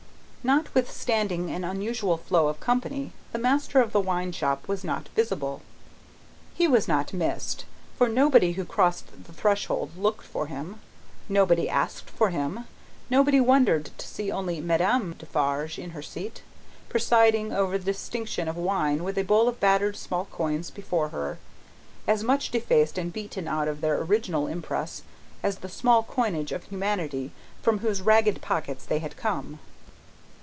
Notwithstanding an unusual flow of company, the master of the wine shop was not visible. He was not missed; for, nobody who crossed the threshold looked for him, nobody asked for him, nobody wondered to see only Madame Defarge in her seat, presiding over the distribution of wine, with a bowl of battered small coins before her, as much defaced and beaten out of their original impress as the small coinage of humanity from whose ragged pockets they had come.